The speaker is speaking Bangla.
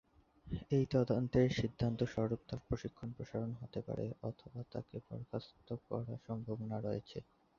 এই তদন্তের সিদ্ধান্ত স্বরূপ তার প্রশিক্ষণ প্রসারণ হতে পারে অথবা তাকে বরখাস্ত করা সম্ভাবনা রয়েছে।